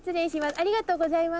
ありがとうございます。